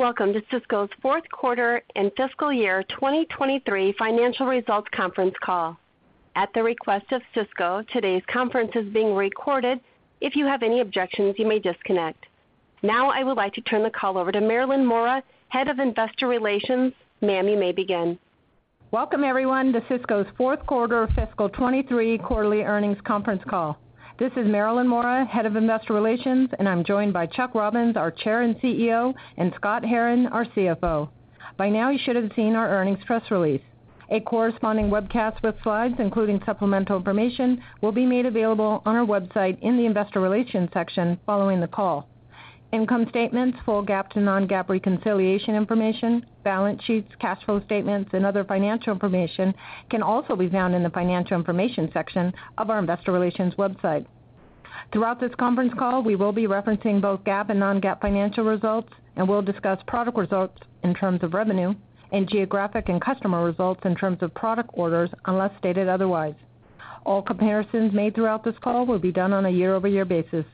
Welcome to Cisco's Q4 and fiscal year 2023 financial results conference call. At the request of Cisco, today's conference is being recorded. If you have any objections, you may disconnect. Now, I would like to turn the call over to Marilyn Mora, Head of Investor Relations. Ma'am, you may begin. Welcome, everyone, to Cisco's Q4 fiscal 2023 quarterly earnings conference call. This is Marilyn Mora, Head of Investor Relations, and I'm joined by Chuck Robbins, our Chair and CEO, and Scott Herren, our CFO. By now, you should have seen our earnings press release. A corresponding webcast with slides, including supplemental information, will be made available on our website in the Investor Relations section following the call. Income statements, full GAAP to non-GAAP reconciliation information, balance sheets, cash flow statements, and other financial information can also be found in the Financial Information section of our Investor Relations website. Throughout this conference call, we will be referencing both GAAP and non-GAAP financial results, and we'll discuss product results in terms of revenue and geographic and customer results in terms of product orders, unless stated otherwise. All comparisons made throughout this call will be done on a year-over-year basis.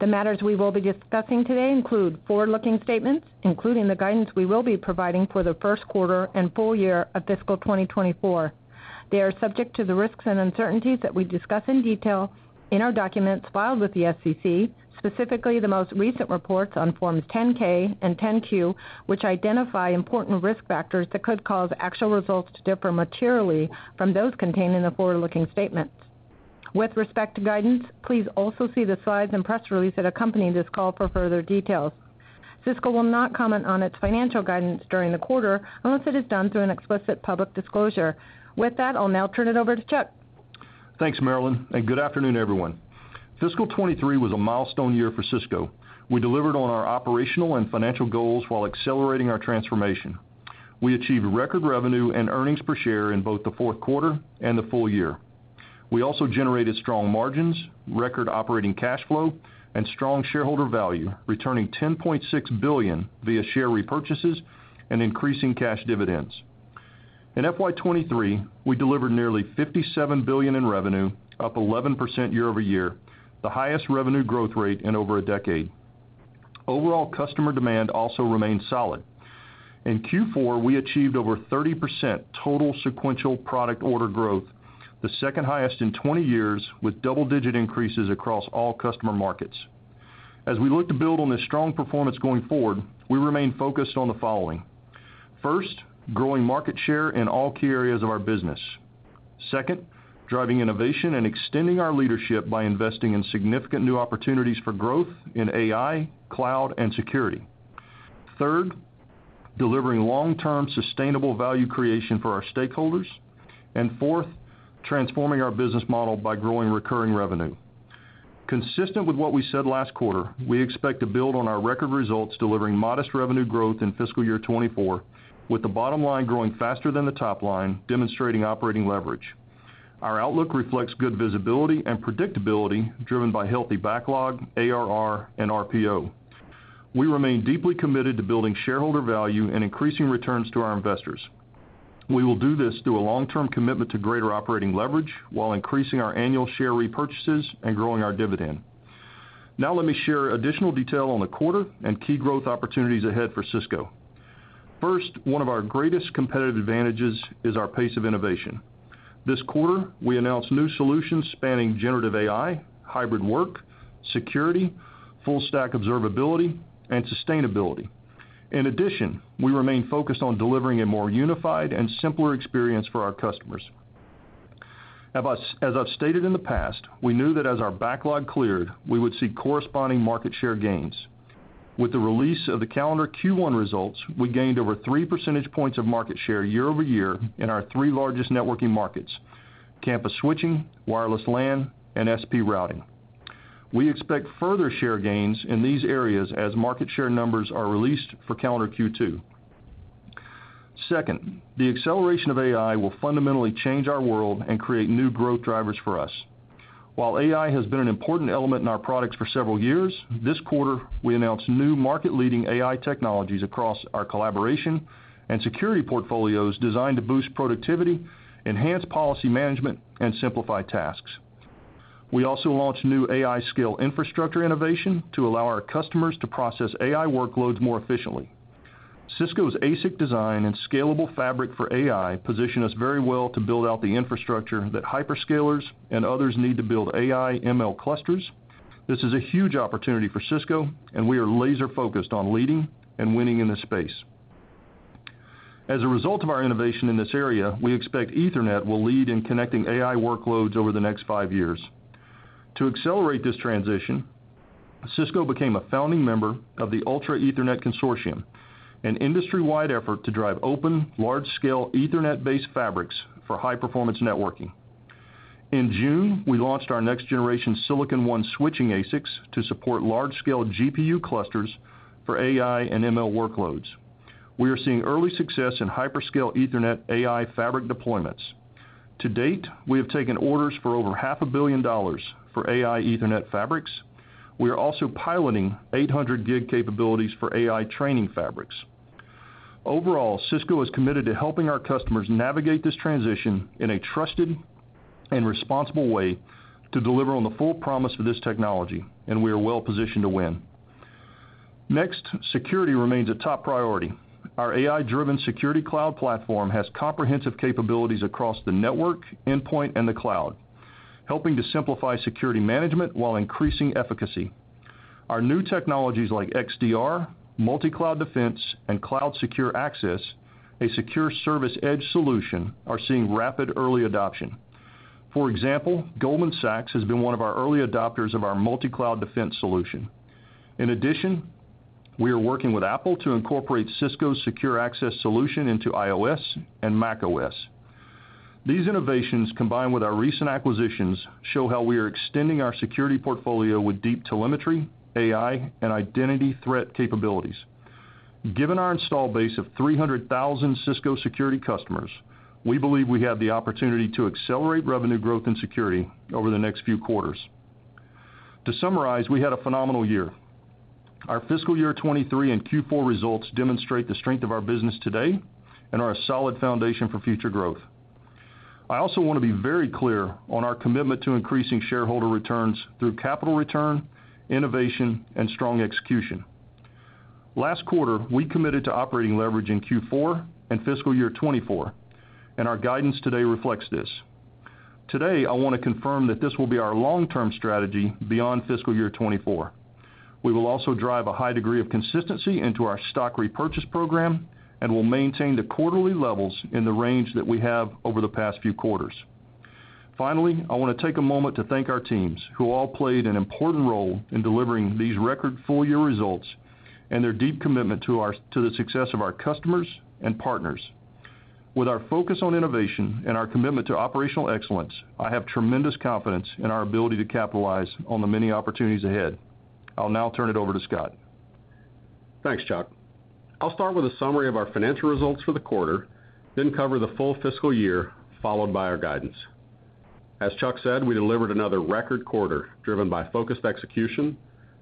The matters we will be discussing today include forward-looking statements, including the guidance we will be providing for the Q1 and full year of fiscal 2024. They are subject to the risks and uncertainties that we discuss in detail in our documents filed with the SEC, specifically the most recent reports on Forms 10-K and 10-Q, which identify important risk factors that could cause actual results to differ materially from those contained in the forward-looking statements. With respect to guidance, please also see the slides and press release that accompany this call for further details. Cisco will not comment on its financial guidance during the quarter unless it is done through an explicit public disclosure. With that, I'll now turn it over to Chuck. Thanks, Marilyn. Good afternoon, everyone. Fiscal 2023 was a milestone year for Cisco. We delivered on our operational and financial goals while accelerating our transformation. We achieved record revenue and earnings per share in both the Q4 and the full year. We also generated strong margins, record operating cash flow, and strong shareholder value, returning $10.6 billion via share repurchases and increasing cash dividends. In FY 2023, we delivered nearly $57 billion in revenue, up 11% year-over-year, the highest revenue growth rate in over a decade. Overall, customer demand also remained solid. In Q4, we achieved over 30% total sequential product order growth, the second highest in 20 years, with double-digit increases across all customer markets. As we look to build on this strong performance going forward, we remain focused on the following: first, growing market share in all key areas of our business. Second, driving innovation and extending our leadership by investing in significant new opportunities for growth in AI, cloud, and security. Third, delivering long-term, sustainable value creation for our stakeholders. Fourth, transforming our business model by growing recurring revenue. Consistent with what we said last quarter, we expect to build on our record results, delivering modest revenue growth in fiscal year 2024, with the bottom line growing faster than the top line, demonstrating operating leverage. Our outlook reflects good visibility and predictability, driven by healthy backlog, ARR, and RPO. We remain deeply committed to building shareholder value and increasing returns to our investors. We will do this through a long-term commitment to greater operating leverage, while increasing our annual share repurchases and growing our dividend. Now let me share additional detail on the quarter and key growth opportunities ahead for Cisco. First, one of our greatest competitive advantages is our pace of innovation. This quarter, we announced new solutions spanning Generative AI, hybrid work, security, Full-Stack Observability, and sustainability. In addition, we remain focused on delivering a more unified and simpler experience for our customers. As I've stated in the past, we knew that as our backlog cleared, we would see corresponding market share gains. With the release of the calendar Q1 results, we gained over 3 percentage points of market share year-over-year in our three largest networking markets, Campus switching, wireless LAN, and SP routing. We expect further share gains in these areas as market share numbers are released for calendar Q2. Second, the acceleration of AI will fundamentally change our world and create new growth drivers for us. While AI has been an important element in our products for several years, this quarter, we announced new market-leading AI technologies across our collaboration and security portfolios designed to boost productivity, enhance policy management, and simplify tasks. We also launched new AI scale infrastructure innovation to allow our customers to process AI workloads more efficiently. Cisco's ASIC design and scalable fabric for AI position us very well to build out the infrastructure that hyperscalers and others need to build A/ML clusters. This is a huge opportunity for Cisco, and we are laser-focused on leading and winning in this space. As a result of our innovation in this area, we expect Ethernet will lead in connecting AI workloads over the next five years. To accelerate this transition, Cisco became a founding member of the Ultra Ethernet Consortium, an industry-wide effort to drive open, large-scale, Ethernet-based fabrics for high-performance networking. In June, we launched our next generation Silicon One switching ASICs to support large-scale GPU clusters for AI and ML workloads. We are seeing early success in hyperscale Ethernet AI fabric deployments. To date, we have taken orders for over $500 million for AI Ethernet fabrics. We are also piloting 800 gig capabilities for AI training fabrics. Overall, Cisco is committed to helping our customers navigate this transition in a trusted and responsible way to deliver on the full promise of this technology, and we are well positioned to win. Next, security remains a top priority. Our AI-driven Security Cloud platform has comprehensive capabilities across the network, endpoint, and the cloud, helping to simplify security management while increasing efficacy. Our new technologies like Cisco XDR, Cisco Multicloud Defense, and Cisco Secure Access, a Secure Service Edge solution, are seeing rapid early adoption. For example, Goldman Sachs has been one of our early adopters of our Cisco Multicloud Defense solution. In addition, we are working with Apple to incorporate Cisco's Secure Access solution into iOS and macOS. These innovations, combined with our recent acquisitions, show how we are extending our security portfolio with deep telemetry, AI, and identity threat capabilities. Given our install base of 300,000 Cisco security customers, we believe we have the opportunity to accelerate revenue growth and security over the next few quarters. To summarize, we had a phenomenal year. Our fiscal year 2023 and Q4 results demonstrate the strength of our business today and are a solid foundation for future growth. I also want to be very clear on our commitment to increasing shareholder returns through capital return, innovation, and strong execution. Last quarter, we committed to operating leverage in Q4 and fiscal year 2024, and our guidance today reflects this. Today, I want to confirm that this will be our long-term strategy beyond fiscal year 2024. We will also drive a high degree of consistency into our stock repurchase program and will maintain the quarterly levels in the range that we have over the past few quarters. Finally, I want to take a moment to thank our teams, who all played an important role in delivering these record full-year results and their deep commitment to our to the success of our customers and partners. With our focus on innovation and our commitment to operational excellence, I have tremendous confidence in our ability to capitalize on the many opportunities ahead. I'll now turn it over to Scott. Thanks, Chuck. I'll start with a summary of our financial results for the quarter, then cover the full fiscal year, followed by our guidance. As Chuck said, we delivered another record quarter, driven by focused execution,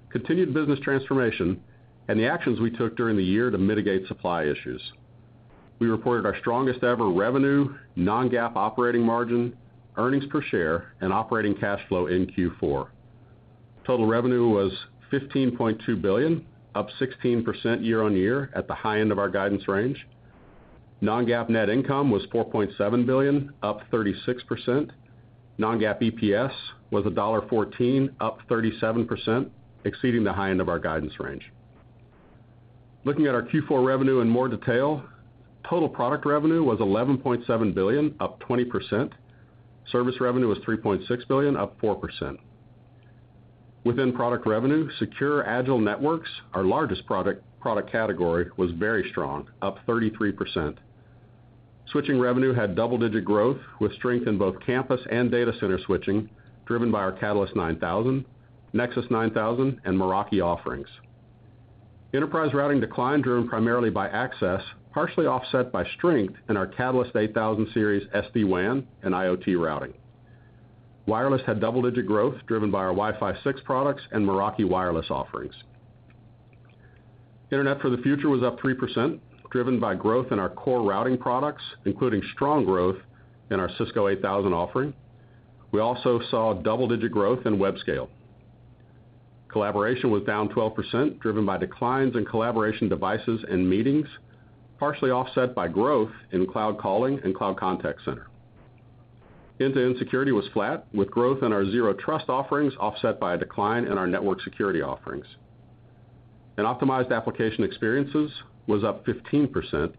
continued business transformation, and the actions we took during the year to mitigate supply issues. We reported our strongest-ever revenue, non-GAAP operating margin, earnings per share, and operating cash flow in Q4. Total revenue was $15.2 billion, up 16% year-over-year, at the high end of our guidance range. Non-GAAP net income was $4.7 billion, up 36%. Non-GAAP EPS was $1.14, up 37%, exceeding the high end of our guidance range. Looking at our Q4 revenue in more detail, total product revenue was $11.7 billion, up 20%. Service revenue was $3.6 billion, up 4%. Within product revenue, Secure, Agile Networks, our largest product, product category, was very strong, up 33%. Switching revenue had double-digit growth, with strength in both campus and data center switching, driven by our Catalyst 9000, Nexus 9000, and Meraki offerings. Enterprise routing declined, driven primarily by access, partially offset by strength in our Catalyst 8000 series SD-WAN and IoT routing. Wireless had double-digit growth, driven by our Wi-Fi 6 products and Meraki wireless offerings. Internet for the Future was up 3%, driven by growth in our core routing products, including strong growth in our Cisco 8000 offering. We also saw double-digit growth in Webscale. Collaboration was down 12%, driven by declines in collaboration devices and meetings, partially offset by growth in Webex Calling and Webex Contact Center. End-to-End Security was flat, with growth in our Zero Trust offerings offset by a decline in our network security offerings. Optimized Application Experiences was up 15%,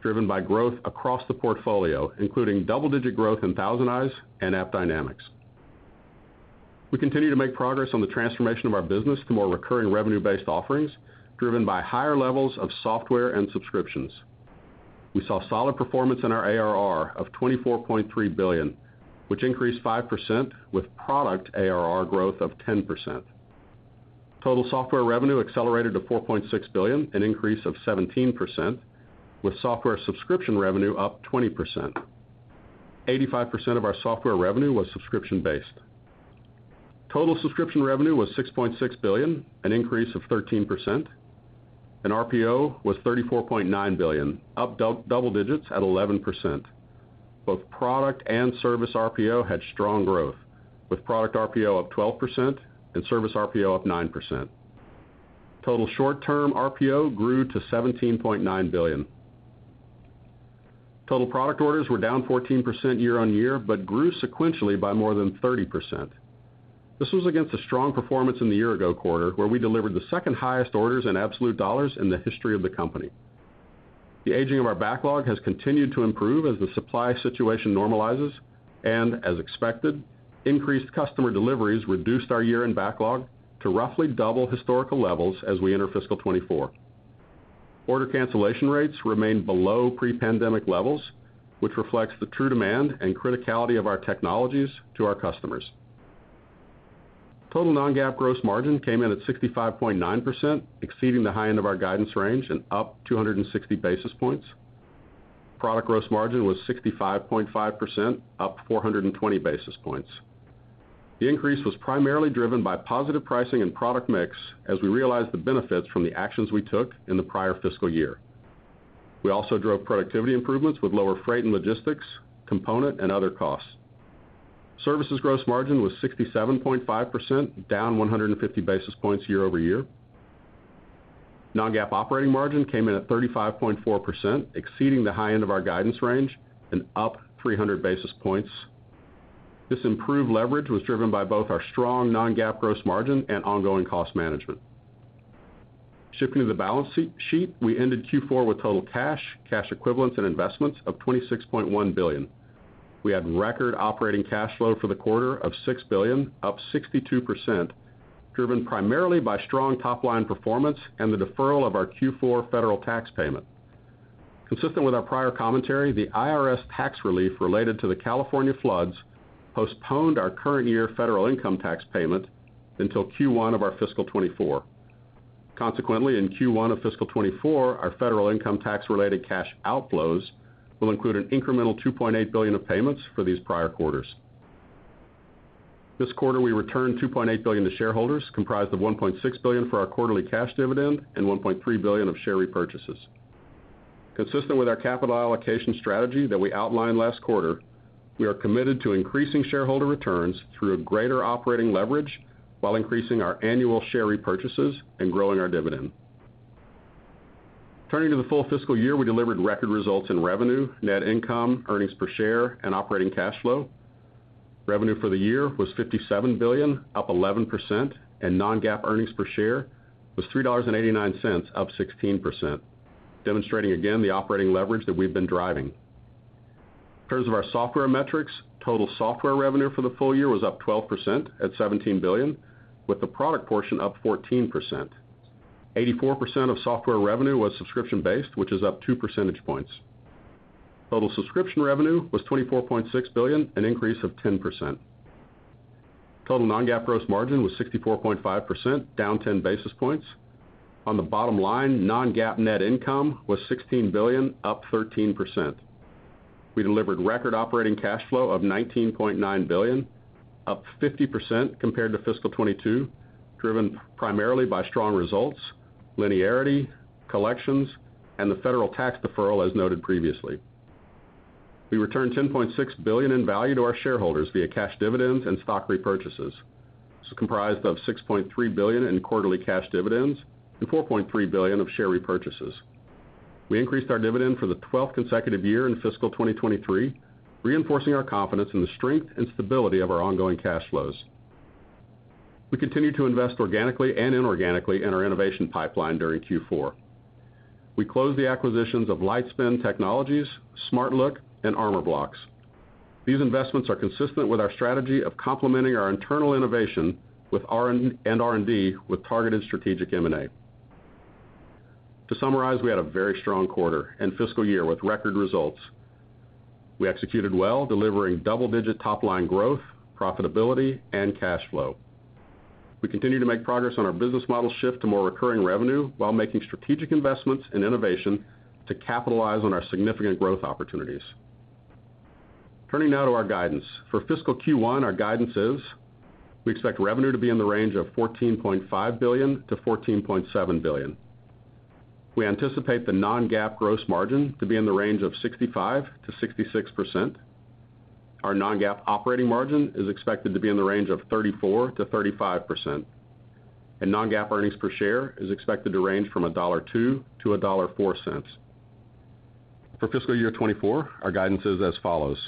driven by growth across the portfolio, including double-digit growth in ThousandEyes and AppDynamics. We continue to make progress on the transformation of our business to more recurring revenue-based offerings, driven by higher levels of software and subscriptions. We saw solid performance in our ARR of $24.3 billion, which increased 5% with product ARR growth of 10%. Total software revenue accelerated to $4.6 billion, an increase of 17%, with software subscription revenue up 20%. 85% of our software revenue was subscription-based. Total subscription revenue was $6.6 billion, an increase of 13%, and RPO was $34.9 billion, up double digits at 11%. Both product and service RPO had strong growth, with product RPO up 12% and service RPO up 9%. Total short-term RPO grew to $17.9 billion. Total product orders were down 14% year-on-year, but grew sequentially by more than 30%. This was against a strong performance in the year-ago quarter, where we delivered the second-highest orders in absolute dollars in the history of the company. The aging of our backlog has continued to improve as the supply situation normalizes, and, as expected, increased customer deliveries reduced our year-end backlog to roughly double historical levels as we enter fiscal 2024. Order cancellation rates remain below pre-pandemic levels, which reflects the true demand and criticality of our technologies to our customers. Total non-GAAP gross margin came in at 65.9%, exceeding the high end of our guidance range and up 260 basis points. Product gross margin was 65.5%, up 420 basis points. The increase was primarily driven by positive pricing and product mix, as we realized the benefits from the actions we took in the prior fiscal year. We also drove productivity improvements with lower freight and logistics, component and other costs. Services gross margin was 67.5%, down 150 basis points year-over-year. Non-GAAP operating margin came in at 35.4%, exceeding the high end of our guidance range and up 300 basis points. T This improved leverage was driven by both our strong non-GAAP gross margin and ongoing cost management. Shifting to the balance sheet, we ended Q4 with total cash, cash equivalents and investments of $26.1 billion. We had record operating cash flow for the quarter of $6 billion, up 62%, driven primarily by strong top line performance and the deferral of our Q4 federal tax payment. Consistent with our prior commentary, the IRS tax relief related to the California floods postponed our current year federal income tax payment until Q1 of our fiscal 2024. Consequently, in Q1 of fiscal 2024, our federal income tax-related cash outflows will include an incremental $2.8 billion of payments for these prior quarters. This quarter, we returned $2.8 billion to shareholders, comprised of $1.6 billion for our quarterly cash dividend and $1.3 billion of share repurchases. Consistent with our capital allocation strategy that we outlined last quarter, we are committed to increasing shareholder returns through a greater operating leverage while increasing our annual share repurchases and growing our dividend. Turning to the full fiscal year, we delivered record results in revenue, net income, earnings per share, and operating cash flow. Revenue for the year was $57 billion, up 11%, and non-GAAP earnings per share was $3.89, up 16%, demonstrating again the operating leverage that we've been driving. In terms of our software metrics, total software revenue for the full year was up 12% at $17 billion, with the product portion up 14%. 84% of software revenue was subscription-based, which is up 2 percentage points. Total subscription revenue was $24.6 billion, an increase of 10%. Total non-GAAP gross margin was 64.5%, down 10 basis points. On the bottom line, non-GAAP net income was $16 billion, up 13%. We delivered record operating cash flow of $19.9 billion, up 50% compared to fiscal 2022, driven primarily by strong results, linearity, collections, and the federal tax deferral, as noted previously. We returned $10.6 billion in value to our shareholders via cash dividends and stock repurchases. This is comprised of $6.3 billion in quarterly cash dividends and $4.3 billion of share repurchases. We increased our dividend for the 12th consecutive year in fiscal 2023, reinforcing our confidence in the strength and stability of our ongoing cash flows. We continued to invest organically and inorganically in our innovation pipeline during Q4. We closed the acquisitions of Lightspin, Smartlook, and Armorblox. These investments are consistent with our strategy of complementing our internal innovation with R&D with targeted strategic M&A. To summarize, we had a very strong quarter and fiscal year with record results. We executed well, delivering double-digit top-line growth, profitability, and cash flow. We continue to make progress on our business model shift to more recurring revenue, while making strategic investments in innovation to capitalize on our significant growth opportunities. Turning now to our guidance. For fiscal Q1, our guidance is: we expect revenue to be in the range of $14.5 billion-$14.7 billion. We anticipate the non-GAAP gross margin to be in the range of 65%-66%. Our non-GAAP operating margin is expected to be in the range of 34%-35%, and non-GAAP earnings per share is expected to range from $1.02-$1.04. For fiscal year 2024, our guidance is as follows: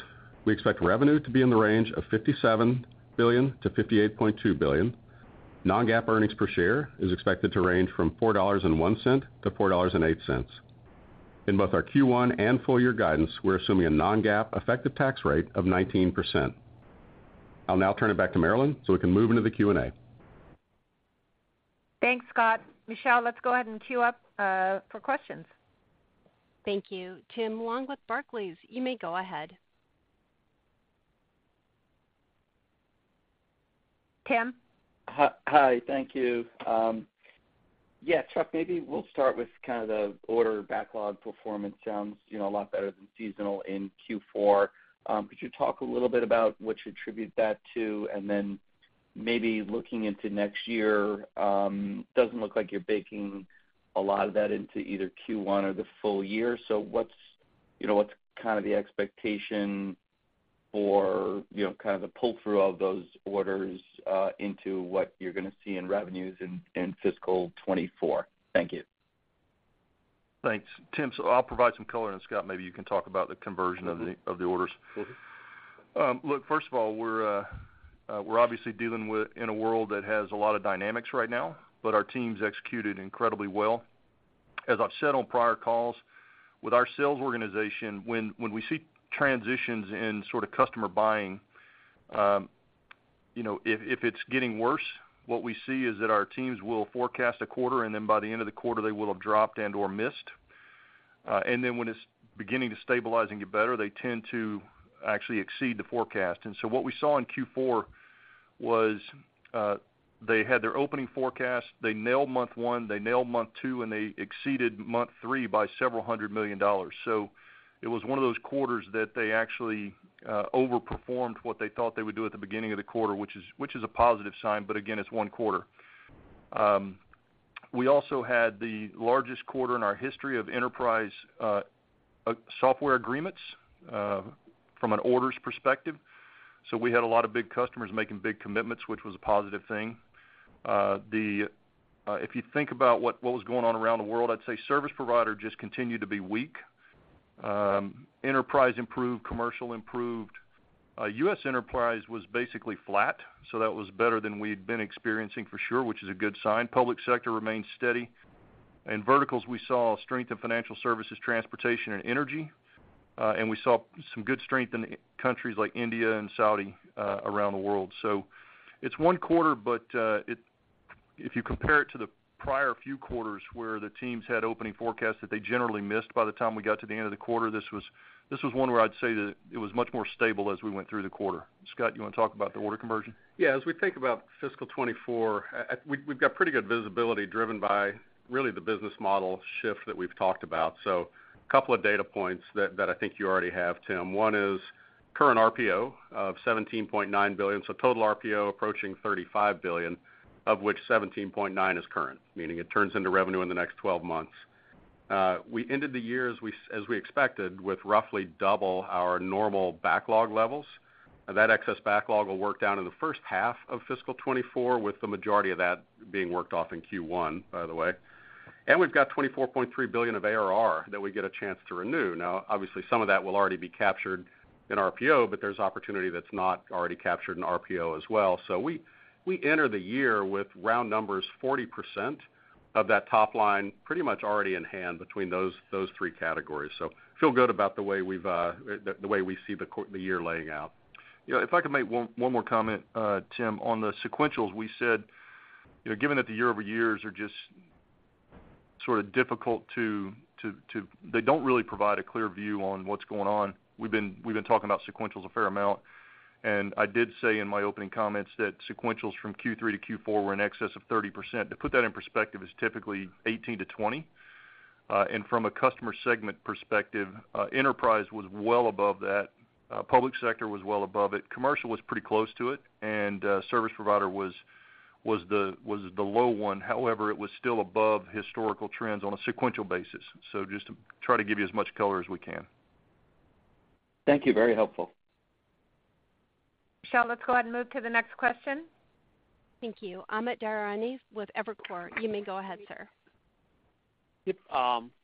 We expect revenue to be in the range of $57 billion-$58.2 billion. Non-GAAP earnings per share is expected to range from $4.01-$4.08. In both our Q1 and full year guidance, we're assuming a non-GAAP effective tax rate of 19%. I'll now turn it back to Marilyn, so we can move into the Q&A. Thanks, Scott. Michelle, let's go ahead and queue up for questions. Thank you. Tim Long with Barclays, you may go ahead. Tim? Thank you. Yeah, Chuck, maybe we'll start with kind of the order backlog performance. Sounds, you know, a lot better than seasonal in Q4. Could you talk a little bit about what you attribute that to? Then maybe looking into next year, doesn't look like you're baking a lot of that into either Q1 or the full year. What's, you know, what's kind of the expectation for, you know, kind of the pull-through of those orders, into what you're gonna see in revenues in, in fiscal 2024? Thank you. Thanks. Tim, I'll provide some color, and Scott, maybe you can talk about the conversion of the, of the orders. Mm-hmm. Look, first of all, we're, we're obviously dealing with, in a world that has a lot of dynamics right now, but our team's executed incredibly well. As I've said on prior calls, with our sales organization, when, when we see transitions in sort of customer buying, you know, if, if it's getting worse, what we see is that our teams will forecast a quarter, and then by the end of the quarter, they will have dropped and/or missed. When it's beginning to stabilize and get better, they tend to actually exceed the forecast. What we saw in Q4, They had their opening forecast, they nailed month 1, they nailed month 2, and they exceeded month 3 by several hundred million dollars. It was one of those quarters that they actually overperformed what they thought they would do at the beginning of the quarter, which is, which is a positive sign, but again, it's 1 quarter. We also had the largest quarter in our history of Enterprise Agreements from an orders perspective. We had a lot of big customers making big commitments, which was a positive thing. If you think about what, what was going on around the world, I'd say service provider just continued to be weak. Enterprise improved, commercial improved. US enterprise was basically flat, that was better than we'd been experiencing for sure, which is a good sign. Public sector remained steady. In verticals, we saw a strength in financial services, transportation, and energy, and we saw some good strength in countries like India and Saudi around the world. It's one quarter, but if you compare it to the prior few quarters, where the teams had opening forecasts that they generally missed by the time we got to the end of the quarter, this was, this was one where I'd say that it was much more stable as we went through the quarter. Scott, you want to talk about the order conversion? As we think about fiscal 2024, we've got pretty good visibility, driven by really the business model shift that we've talked about. A couple of data points that, that I think you already have, Tim. One is current RPO of $17.9 billion, total RPO approaching $35 billion, of which $17.9 billion is current, meaning it turns into revenue in the next 12 months. We ended the year as we, as we expected, with roughly double our normal backlog levels. That excess backlog will work down in the first half of fiscal 2024, with the majority of that being worked off in Q1, by the way. We've got $24.3 billion of ARR that we get a chance to renew. Obviously, some of that will already be captured in RPO, but there's opportunity that's not already captured in RPO as well. We, we enter the year with round numbers, 40% of that top line, pretty much already in hand between those, those three categories. Feel good about the way we've, the, the way we see the year laying out. Yeah, if I could make 1, 1 more comment, Tim. On the sequentials, we said, you know, given that the year-over-years are just sort of difficult. They don't really provide a clear view on what's going on. We've been, we've been talking about sequentials a fair amount, and I did say in my opening comments that sequentials from Q3 to Q4 were in excess of 30%. To put that in perspective, it's typically 18-20. From a customer segment perspective, enterprise was well above that, public sector was well above it, commercial was pretty close to it, and service provider was, was the, was the low one. However, it was still above historical trends on a sequential basis. Just to try to give you as much color as we can. Thank you. Very helpful. Michelle, let's go ahead and move to the next question. Thank you. Amit Daryanani with Evercore. You may go ahead, sir.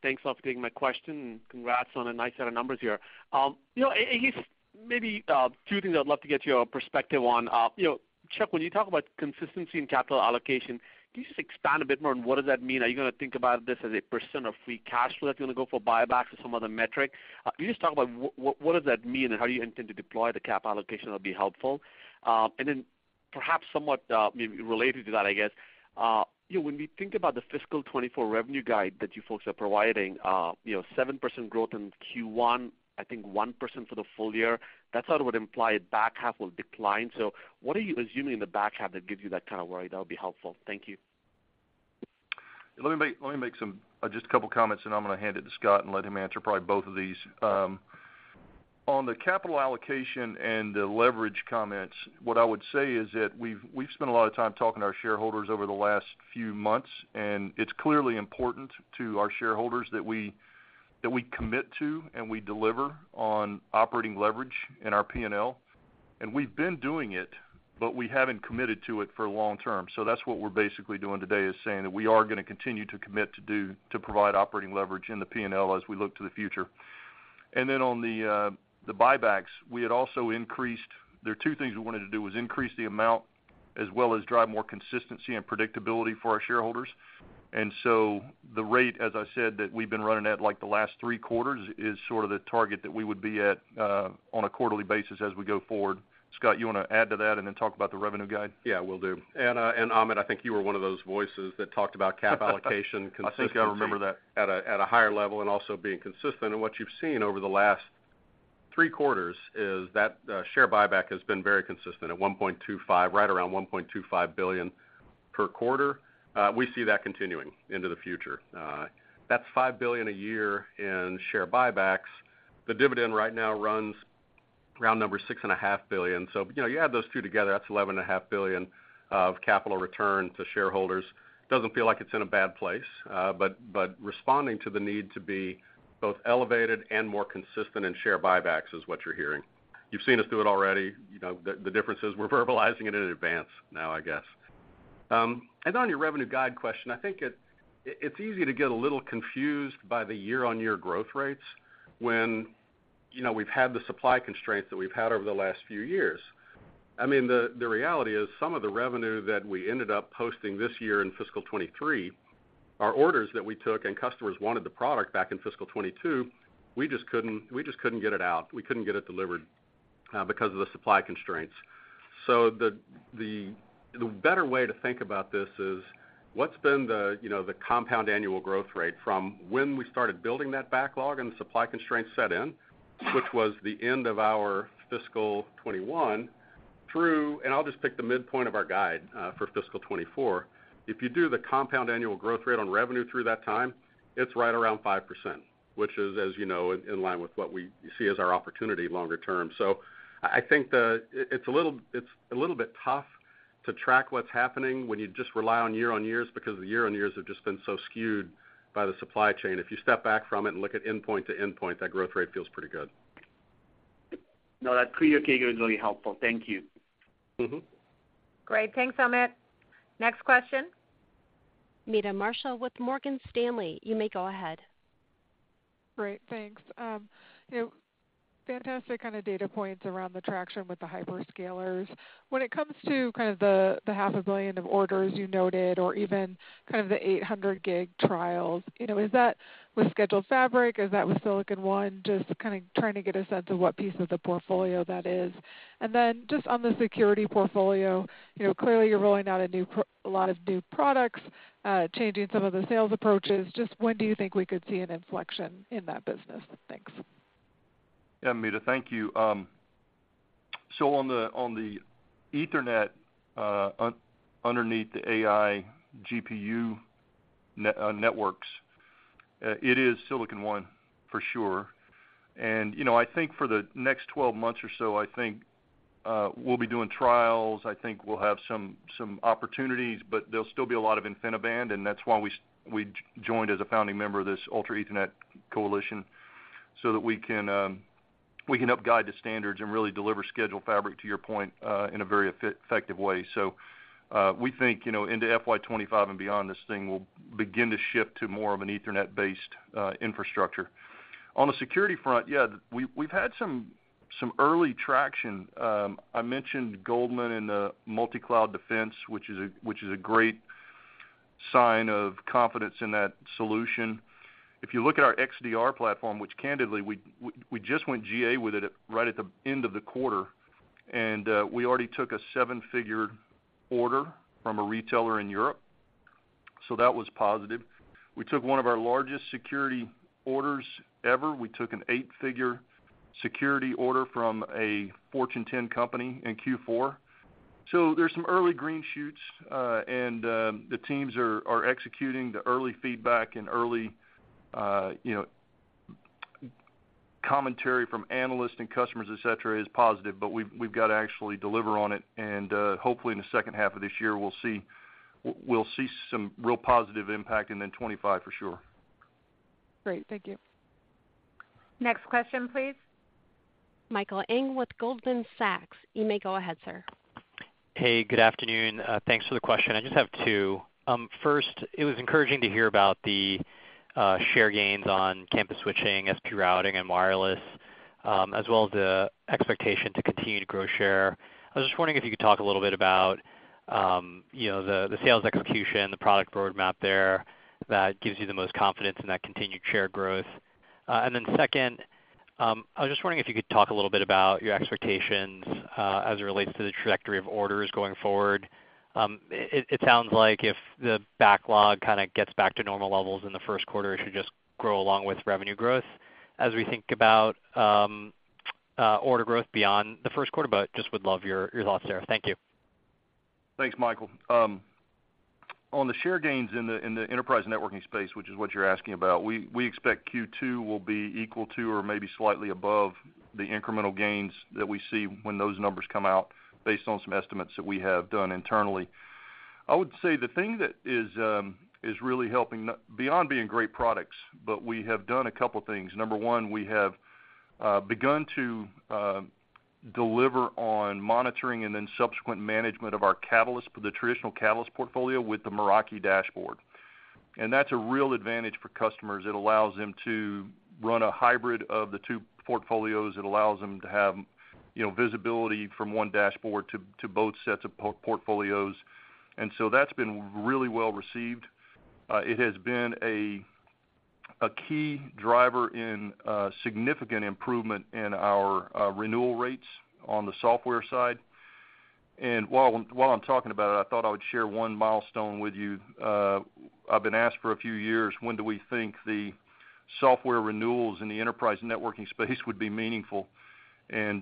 Thanks a lot for taking my question, and congrats on a nice set of numbers here. You know, I guess maybe, two things I'd love to get your perspective on. You know, Chuck, when you talk about consistency in capital allocation, can you just expand a bit more on what does that mean? Are you gonna think about this as a % of free cash flow? That you're gonna go for buybacks or some other metric? Can you just talk about what, what does that mean, and how do you intend to deploy the cap allocation? That'd be helpful. Perhaps somewhat, maybe related to that, when we think about the fiscal 2024 revenue guide that you folks are providing, 7% growth in Q1, I think 1% for the full year, that sort of would imply back half will decline. What are you assuming in the back half that gives you that kind of worry? That would be helpful. Thank you. Let me make, let me make some, just a couple comments. I'm gonna hand it to Scott and let him answer probably both of these. On the capital allocation and the leverage comments, what I would say is that we've, we've spent a lot of time talking to our shareholders over the last few months. It's clearly important to our shareholders that we, that we commit to and we deliver on operating leverage in our P&L. We've been doing it, but we haven't committed to it for long term. That's what we're basically doing today, is saying that we are gonna continue to commit to provide operating leverage in the P&L as we look to the future. Then on the, the buybacks, we had also increased... There are 2 things we wanted to do, was increase the amount as well as drive more consistency and predictability for our shareholders. The rate, as I said, that we've been running at, like, the last 3 quarters, is sort of the target that we would be at, on a quarterly basis as we go forward. Scott, you want to add to that and then talk about the revenue guide? Yeah, will do. Amit, I think you were one of those voices that talked about cap allocation consistency... I think I remember that. at a higher level and also being consistent. What you've seen over the last three quarters is that share buyback has been very consistent at $1.25 billion, right around $1.25 billion per quarter. We see that continuing into the future. That's $5 billion a year in share buybacks. The dividend right now runs round number $6.5 billion. You know, you add those two together, that's $11.5 billion of capital return to shareholders. Doesn't feel like it's in a bad place, but responding to the need to be both elevated and more consistent in share buybacks is what you're hearing. You've seen us do it already. You know, the difference is we're verbalizing it in advance now, I guess. On your revenue guide question, I think it, it's easy to get a little confused by the year-on-year growth rates when, you know, we've had the supply constraints that we've had over the last few years. I mean, the, the reality is, some of the revenue that we ended up posting this year in fiscal 2023, are orders that we took and customers wanted the product back in fiscal 2022, we just couldn't, we just couldn't get it out. We couldn't get it delivered because of the supply constraints. The, the, the better way to think about this is: what's been the, you know, the compound annual growth rate from when we started building that backlog and the supply constraints set in?... which was the end of our fiscal 2021 through, and I'll just pick the midpoint of our guide for fiscal 2024. If you do the compound annual growth rate on revenue through that time, it's right around 5%, which is, as you know, in, in line with what we see as our opportunity longer term. I, I think the, it, it's a little, it's a little bit tough to track what's happening when you just rely on year-on-years, because the year-on-years have just been so skewed by the supply chain. If you step back from it and look at endpoint to endpoint, that growth rate feels pretty good. No, that clear figure is really helpful. Thank you. Mm-hmm. Great. Thanks, Amit. Next question? Meta Marshall with Morgan Stanley, you may go ahead. Great. Thanks. You know, fantastic kind of data points around the traction with the hyperscalers. When it comes to kind of the, the $500 million of orders you noted, or even kind of the 800 gig trials, you know, is that with scheduled fabric? Is that with Silicon One? Just kind of trying to get a sense of what piece of the portfolio that is. Then just on the security portfolio, you know, clearly you're rolling out a lot of new products, changing some of the sales approaches. Just when do you think we could see an inflection in that business? Thanks. Yeah, Meta, thank you. On the, on the Ethernet, underneath the AI GPU networks, it is Silicon One, for sure. You know, I think for the next 12 months or so, I think we'll be doing trials. I think we'll have some, some opportunities, there'll still be a lot of InfiniBand, that's why we joined as a founding member of this Ultra Ethernet Consortium, that we can help guide the standards and really deliver scheduled fabric, to your point, in a very effective way. We think, you know, into FY 2025 and beyond, this thing will begin to shift to more of an Ethernet-based infrastructure. On the security front, yeah, we've had some, some early traction. I mentioned Goldman and the Multicloud Defense, which is a great sign of confidence in that solution. If you look at our XDR platform, which candidly, we just went GA with it right at the end of the quarter, we already took a seven-figure order from a retailer in Europe, that was positive. We took one of our largest security orders ever. We took an eight-figure security order from a Fortune 10 company in Q4. There's some early green shoots, and the teams are executing. The early feedback and early, you know, commentary from analysts and customers, et cetera, is positive, we've got to actually deliver on it, hopefully, in the second half of this year, we'll see some real positive impact, 25 for sure. Great. Thank you. Next question, please. Michael Ng with Goldman Sachs. You may go ahead, sir. Hey, good afternoon. Thanks for the question. I just have two. First, it was encouraging to hear about the share gains on Campus switching, SP routing and wireless, as well as the expectation to continue to grow share. I was just wondering if you could talk a little bit about, you know, the sales execution, the product roadmap there that gives you the most confidence in that continued share growth. Second, I was just wondering if you could talk a little bit about your expectations as it relates to the trajectory of orders going forward. It sounds like if the backlog kind of gets back to normal levels in the Q1, it should just grow along with revenue growth. As we think about, order growth beyond the Q1, but just would love your, your thoughts there. Thank you. Thanks, Michael. On the share gains in the enterprise networking space, which is what you're asking about, we, we expect Q2 will be equal to or maybe slightly above the incremental gains that we see when those numbers come out, based on some estimates that we have done internally. I would say the thing that is really helping beyond being great products, we have done a couple things. Number one, we have begun to deliver on monitoring and then subsequent management of our Catalyst, the traditional Catalyst portfolio, with the Meraki dashboard. That's a real advantage for customers. It allows them to run a hybrid of the two portfolios. It allows them to have, you know, visibility from one dashboard to both sets of portfolios. That's been really well received. It has been a key driver in significant improvement in our renewal rates on the software side. While I'm talking about it, I thought I would share one milestone with you. I've been asked for a few years, when do we think the software renewals in the enterprise networking space would be meaningful? FY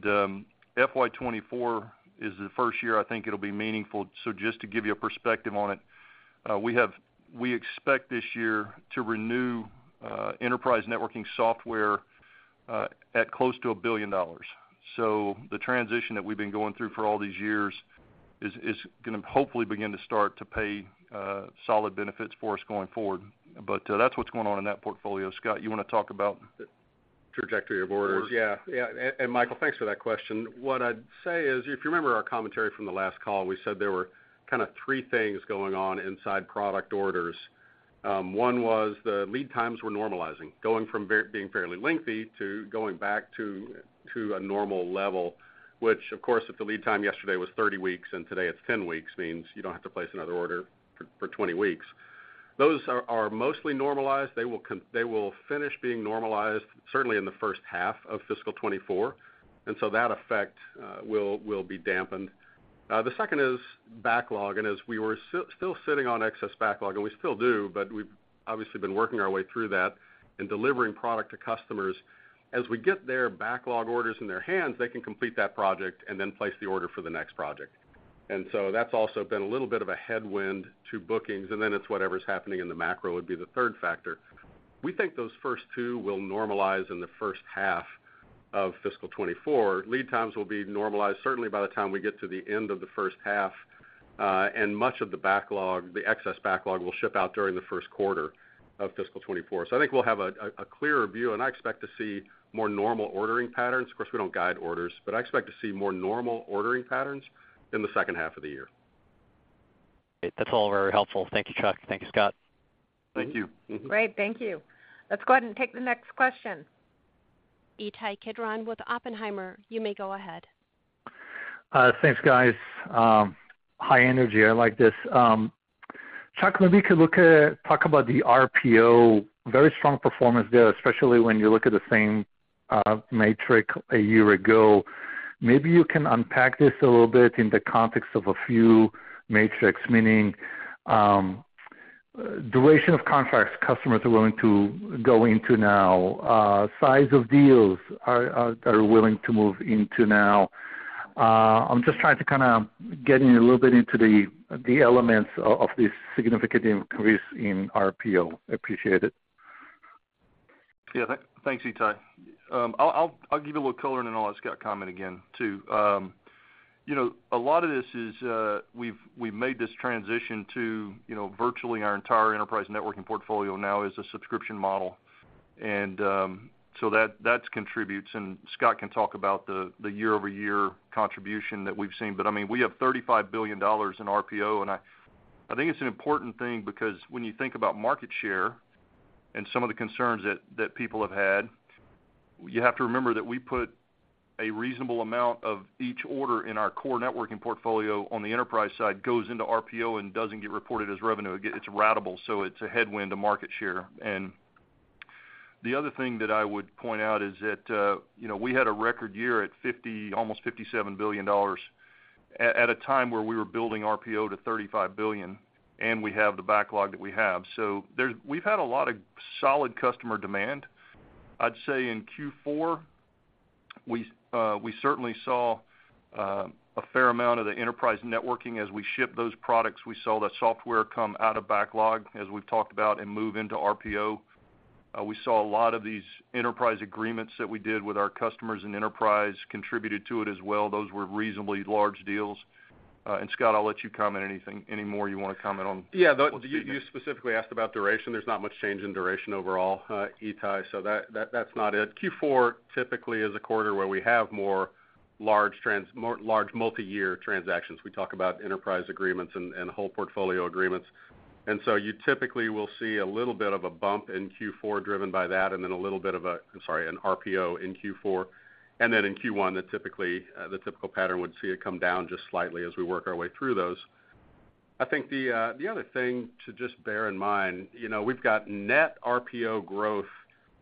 2024 is the first year I think it'll be meaningful. Just to give you a perspective on it, we expect this year to renew enterprise networking software at close to $1 billion. The transition that we've been going through for all these years is gonna hopefully begin to start to pay solid benefits for us going forward. That's what's going on in that portfolio. Scott, you wanna talk about the trajectory of orders? Yeah. Yeah, and Michael, thanks for that question. What I'd say is, if you remember our commentary from the last call, we said there were kind of three things going on inside product orders. One was the lead times were normalizing, going from being fairly lengthy to going back to a normal level, which, of course, if the lead time yesterday was 30 weeks, and today it's 10 weeks, means you don't have to place another order for 20 weeks. Those are mostly normalized. They will finish being normalized, certainly in the first half of fiscal 2024, and so that effect will be dampened. The second is backlog, and as we were still, still sitting on excess backlog, and we still do, but we've obviously been working our way through that and delivering product to customers. As we get their backlog orders in their hands, they can complete that project and then place the order for the next project. And so that's also been a little bit of a headwind to bookings, and then it's whatever's happening in the macro would be the third factor. We think those first two will normalize in the first half of fiscal 2024. Lead times will be normalized, certainly by the time we get to the end of the first half, and much of the backlog, the excess backlog, will ship out during the Q1 of fiscal 2024. I think we'll have a, a clearer view, and I expect to see more normal ordering patterns. Of course, we don't guide orders, but I expect to see more normal ordering patterns in the second half of the year. That's all very helpful. Thank you, Chuck. Thank you, Scott. Thank you. Great. Thank you. Let's go ahead and take the next question. Ittai Kidron with Oppenheimer. You may go ahead. Thanks, guys. High energy, I like this. Chuck, maybe you could talk about the RPO. Very strong performance there, especially when you look at the same, metric a year ago. Maybe you can unpack this a little bit in the context of a few metrics, meaning, duration of contracts customers are willing to go into now, size of deals are, are, they're willing to move into now. I'm just trying to kinda get in a little bit into the, the elements of, of this significant increase in RPO. Appreciate it. Yeah, thanks, Ittai. I'll, I'll, I'll give you a little color, then I'll let Scott comment again, too. You know, a lot of this is, we've, we've made this transition to, you know, virtually our entire enterprise networking portfolio now is a subscription model. That, that's contributes, and Scott can talk about the year-over-year contribution that we've seen. I mean, we have $35 billion in RPO, I, I think it's an important thing because when you think about market share and some of the concerns that, that people have had, you have to remember that we put a reasonable amount of each order in our core networking portfolio on the enterprise side, goes into RPO and doesn't get reported as revenue. It's ratable, it's a headwind to market share. The other thing that I would point out is that, you know, we had a record year at $50 billion, almost $57 billion, at a time where we were building RPO to $35 billion, and we have the backlog that we have. There's, we've had a lot of solid customer demand. I'd say in Q4, we, we certainly saw a fair amount of the enterprise networking. As we ship those products, we saw that software come out of backlog, as we've talked about, and move into RPO. We saw a lot of these Enterprise Agreements that we did with our customers, and enterprise contributed to it as well. Those were reasonably large deals. Scott, I'll let you comment anything, any more you want to comment on. Yeah, you, you specifically asked about duration. There's not much change in duration overall, Ittai, so that, that, that's not it. Q4 typically is a quarter where we have more large trans- more large multi-year transactions. We talk about Enterprise Agreements and, and whole portfolio agreements. You typically will see a little bit of a bump in Q4 driven by that, and then a little bit of a, I'm sorry, an RPO in Q4. In Q1, that typically, the typical pattern would see it come down just slightly as we work our way through those. I think the, the other thing to just bear in mind, you know, we've got net RPO growth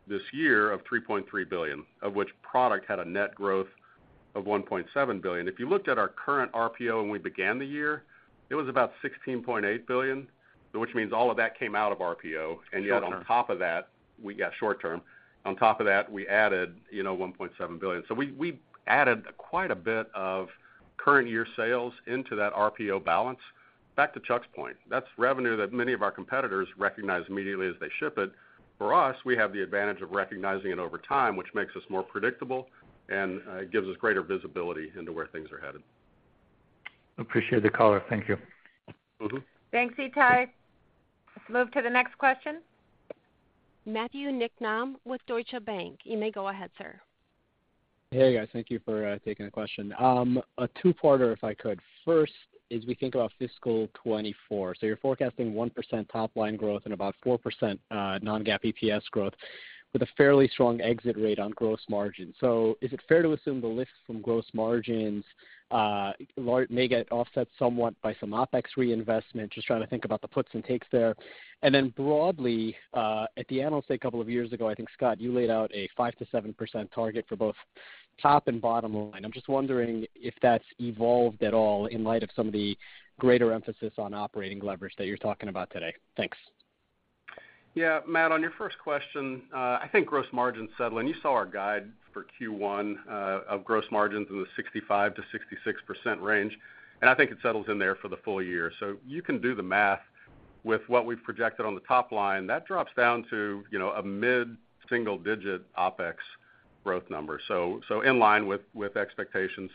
this year of $3.3 billion, of which product had a net growth of $1.7 billion. If you looked at our current RPO when we began the year, it was about $16.8 billion, which means all of that came out of RPO. Short term. Yet on top of that, we got short term. On top of that, we added, you know, $1.7 billion. We, we added quite a bit of current year sales into that RPO balance. Back to Chuck's point, that's revenue that many of our competitors recognize immediately as they ship it. For us, we have the advantage of recognizing it over time, which makes us more predictable and gives us greater visibility into where things are headed. Appreciate the color. Thank you. Mm-hmm. Thanks, Itai. Let's move to the next question. Matthew Niknam with Deutsche Bank. You may go ahead, sir. Hey, guys. Thank you for taking the question. A two-parter, if I could. First, as we think about fiscal 2024, you're forecasting 1% top-line growth and about 4% non-GAAP EPS growth, with a fairly strong exit rate on gross margin. Is it fair to assume the lift from gross margins may get offset somewhat by some OpEx reinvestment? Just trying to think about the puts and takes there. Then broadly, at the analyst day a couple of years ago, I think, Scott, you laid out a 5%-7% target for both top and bottom line. I'm just wondering if that's evolved at all in light of some of the greater emphasis on operating leverage that you're talking about today. Thanks. Yeah, Matthew, on your first question, I think gross margin settling, you saw our guide for Q1 of gross margins in the 65%-66% range, and I think it settles in there for the full year. You can do the math with what we've projected on the top line. That drops down to, you know, a mid-single-digit OpEx growth number. In line with expectations,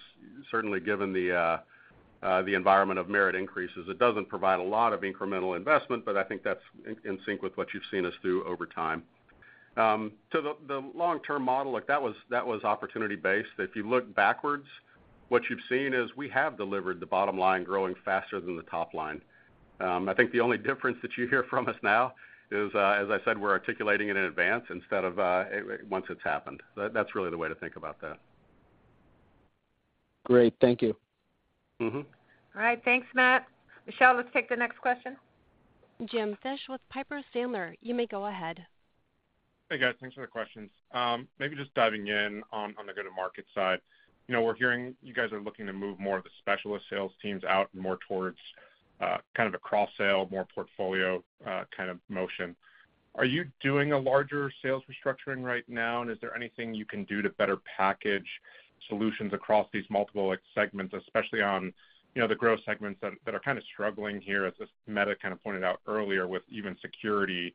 certainly given the environment of merit increases. It doesn't provide a lot of incremental investment, but I think that's in sync with what you've seen us do over time. The long-term model, like that was, that was opportunity-based. If you look backwards, what you've seen is we have delivered the bottom line growing faster than the top line. I think the only difference that you hear from us now is, as I said, we're articulating it in advance instead of once it's happened. That's really the way to think about that. Great. Thank you. Mm-hmm. All right. Thanks, Matthew. Michelle, let's take the next question. James Fish with Piper Sandler. You may go ahead. Hey, guys. Thanks for the questions. Maybe just diving in on, on the go-to-market side. You know, we're hearing you guys are looking to move more of the specialist sales teams out and more towards, kind of a cross sale, more portfolio, kind of motion. Are you doing a larger sales restructuring right now? Is there anything you can do to better package solutions across these multiple, like, segments, especially on, you know, the growth segments that, that are kind of struggling here, as Meta kind of pointed out earlier, with even security?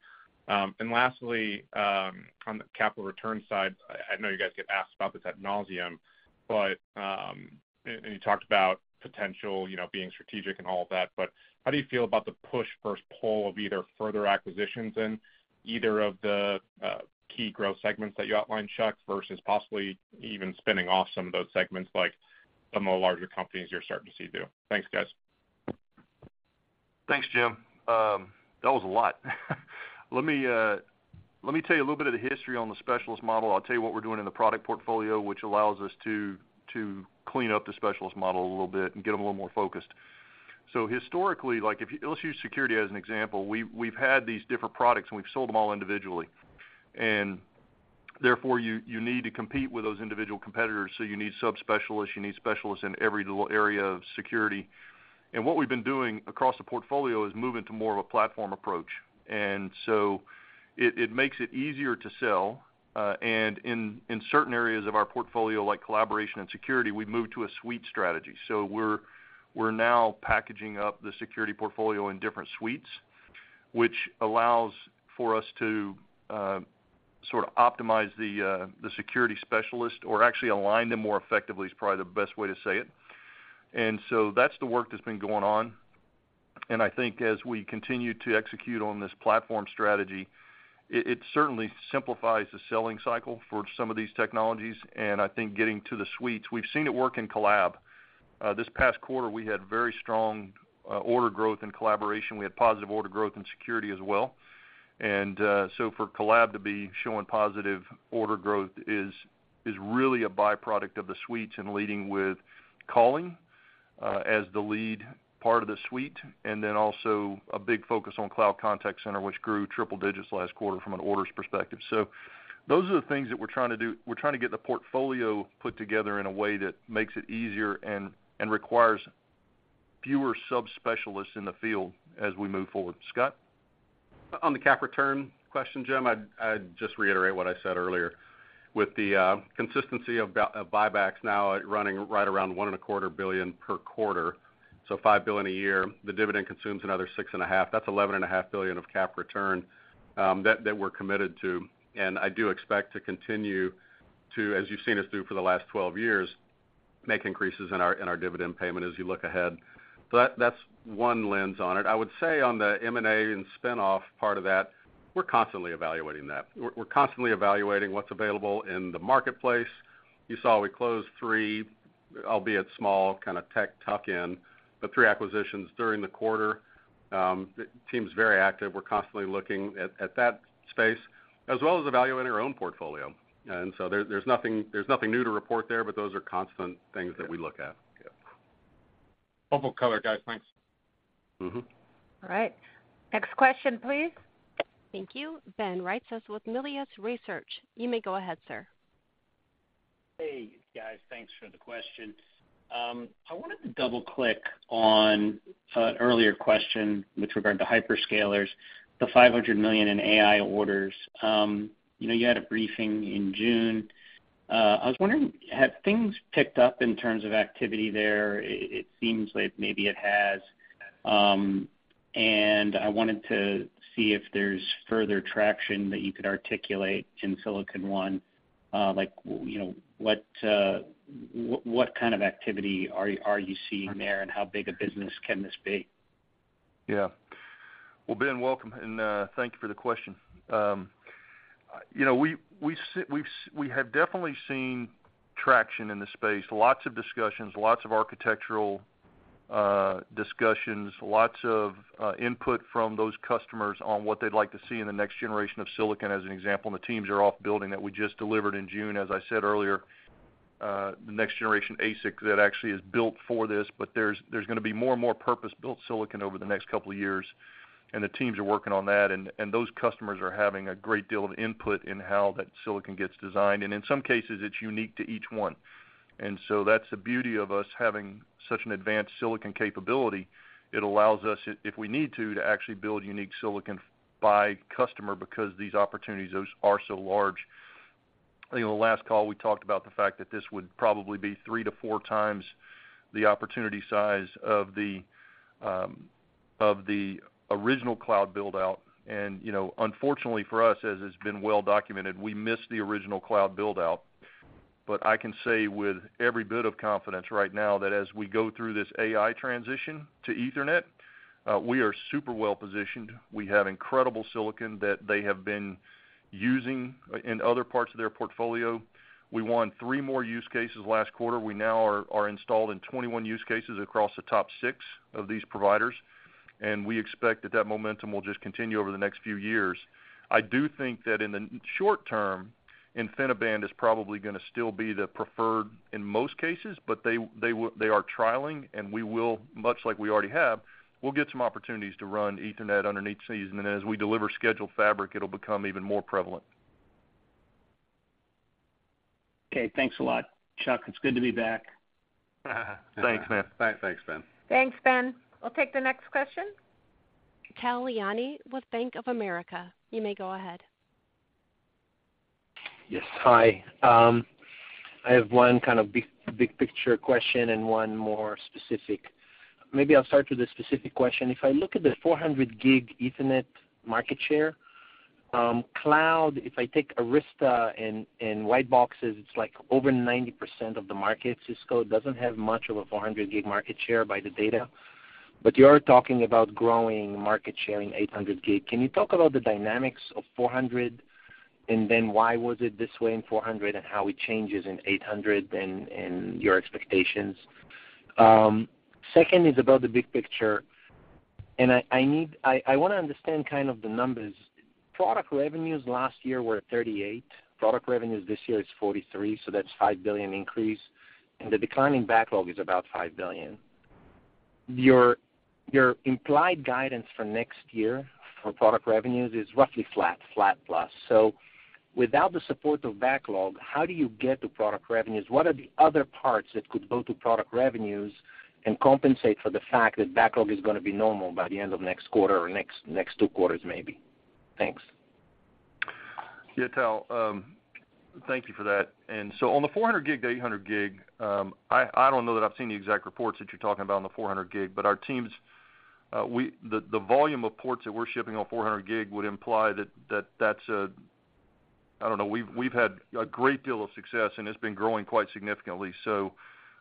Lastly, on the capital return side, I, I know you guys get asked about this ad nauseam, but, and, and you talked about potential, you know, being strategic and all of that. How do you feel about the push versus pull of either further acquisitions in either of the key growth segments that you outlined, Chuck, versus possibly even spinning off some of those segments, like the more larger companies you're starting to see do? Thanks, guys. Thanks, James. That was a lot. Let me, let me tell you a little bit of the history on the specialist model. I'll tell you what we're doing in the product portfolio, which allows us to, to clean up the specialist model a little bit and get them a little more focused. Historically, like, let's use security as an example. We've, we've had these different products, and we've sold them all individually. Therefore, you, you need to compete with those individual competitors, so you need subspecialists, you need specialists in every little area of security. What we've been doing across the portfolio is moving to more of a platform approach. It, it makes it easier to sell, and in, in certain areas of our portfolio, like collaboration and security, we've moved to a suite strategy. We're, we're now packaging up the security portfolio in different suites, which allows for us to sort of optimize the the security specialist, or actually align them more effectively, is probably the best way to say it. That's the work that's been going on. I think as we continue to execute on this platform strategy, it, it certainly simplifies the selling cycle for some of these technologies. I think getting to the suites, we've seen it work in Collab. This past quarter, we had very strong order growth in collaboration. We had positive order growth in security as well. So for Collab to be showing positive order growth is, is really a byproduct of the suites and leading with calling, as the lead part of the suite, and then also a big focus on Webex Contact Center, which grew triple digits last quarter from an orders perspective. Those are the things that we're trying to do. We're trying to get the portfolio put together in a way that makes it easier and, and requires fewer subspecialists in the field as we move forward. Scott? On the cap return question, Jim, I'd just reiterate what I said earlier. With the consistency of buybacks now running right around $1.25 billion per quarter, so $5 billion a year, the dividend consumes another $6.5 billion. That's $11.5 billion of cap return that we're committed to. I do expect to continue to, as you've seen us do for the last 12 years, make increases in our, in our dividend payment as you look ahead. That's one lens on it. I would say on the M&A and spinoff part of that, we're constantly evaluating that. We're constantly evaluating what's available in the marketplace. You saw we closed 3, albeit small, kind of tech tuck-in, but 3 acquisitions during the quarter. The team's very active. We're constantly looking at, at that space, as well as evaluating our own portfolio. There, there's nothing, there's nothing new to report there, but those are constant things that we look at. Yes. Helpful color, guys. Thanks. Mm-hmm. All right. Next question, please. Thank you. Ben Reitzes with Melius Research. You may go ahead, sir. Hey, guys, thanks for the question. I wanted to double-click on an earlier question with regard to hyperscalers, the $500 million in AI orders. You know, you had a briefing in June. I was wondering, have things picked up in terms of activity there? It, it seems like maybe it has. And I wanted to see if there's further traction that you could articulate in Silicon One, like, you know, what, what kind of activity are, are you seeing there, and how big a business can this be? Yeah. Well, Ben, welcome, and thank you for the question. You know, we have definitely seen traction in the space, lots of discussions, lots of architectural discussions, lots of input from those customers on what they'd like to see in the next generation of silicon, as an example. The teams are off building that. We just delivered in June, as I said earlier, the next generation ASIC that actually is built for this. There's, there's gonna be more and more purpose-built silicon over the next 2 years, and the teams are working on that. Those customers are having a great deal of input in how that silicon gets designed, and in some cases, it's unique to each one. So that's the beauty of us having such an advanced silicon capability. It allows us, if we need to, to actually build unique silicon by customer because these opportunities are so large. I think on the last call, we talked about the fact that this would probably be 3 to 4 times the opportunity size of the of the original cloud build-out. You know, unfortunately for us, as has been well documented, we missed the original cloud build-out. I can say with every bit of confidence right now that as we go through this AI transition to Ethernet, we are super well positioned. We have incredible silicon that they have been using in other parts of their portfolio. We won 3 more use cases last quarter. We now are, are installed in 21 use cases across the top 6 of these providers, and we expect that that momentum will just continue over the next few years. I do think that in the short term. InfiniBand is probably going to still be the preferred in most cases, but they, they are trialing, and we will, much like we already have, we'll get some opportunities to run Ethernet underneath season. As we deliver Scheduled Fabric, it'll become even more prevalent. Okay, thanks a lot, Chuck. It's good to be back. Thanks, Ben. Thanks. Ben. Thanks, Ben. I'll take the next question. Tal Liani with Bank of America. You may go ahead. Yes. Hi. I have one kind of big, big picture question and one more specific. Maybe I'll start with the specific question. If I look at the 400 gig Ethernet market share, cloud, if I take Arista and, and white boxes, it's like over 90% of the market. Cisco doesn't have much of a 400 gig market share by the data, but you are talking about growing market share in 800 gig. Can you talk about the dynamics of 400, and then why was it this way in 400, and how it changes in 800 and, and your expectations? Second is about the big picture, and I need, I want to understand kind of the numbers. Product revenues last year were 38. Product revenues this year is $43 billion, so that's $5 billion increase, and the declining backlog is about $5 billion. Your, your implied guidance for next year for product revenues is roughly flat, flat plus. Without the support of backlog, how do you get to product revenues? What are the other parts that could go to product revenues and compensate for the fact that backlog is going to be normal by the end of next quarter or next, next 2 quarters, maybe? Thanks. Yeah, Tal, thank you for that. On the 400 gig to 800 gig, I, I don't know that I've seen the exact reports that you're talking about on the 400 gig, but our teams, we, the volume of ports that we're shipping on 400 gig would imply that, that that's a. I don't know. We've, we've had a great deal of success, and it's been growing quite significantly.